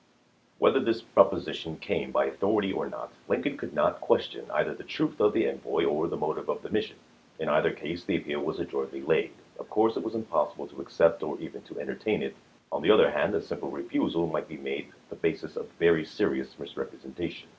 Whether this proposition came by authority or not, Lincoln could not question either the truth of the envoy or the motive of the mission. In either case the appeal was adroitly laid. Of course it was impossible to accept or even to entertain it ; on the other hand, a simple refusal might be made the basis of very serious misrepresentation.